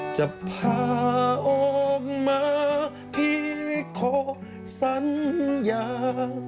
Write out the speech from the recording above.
จะพาออกมาพี่ขอสัญญา